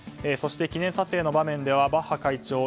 そして、記念撮影の場面ではバッハ会長